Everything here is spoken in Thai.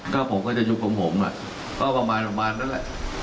ก็ผมก็จะยุบสะพาตก็ประมาณนั้นแหละ